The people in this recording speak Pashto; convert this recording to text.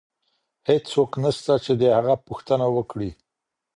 هيڅ څوک نسته چي د هغه پوښتنه وکړي.